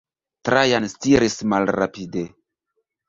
Trajan stiris malrapide.